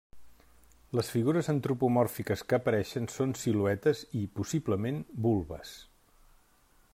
Les figures antropomòrfiques que apareixen són siluetes i, possiblement, vulves.